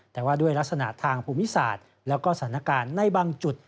แต่ว่าด้วยลักษณะทางภูมิศาสตร์แล้วก็สถานการณ์ในบางจุด